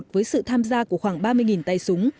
với sự tham gia của khoảng ba mươi tay súng